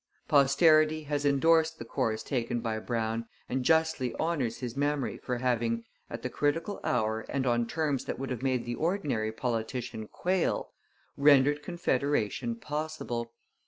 Posterity has endorsed the course taken by Brown and justly honours his memory for having, at the critical hour and on terms that would have made the ordinary politician quail, rendered Confederation possible.